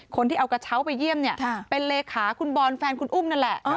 คนที่เอากระเช้าไปเยี่ยมเนี่ยเป็นเลขาคุณบอลแฟนคุณอุ้มนั่นแหละ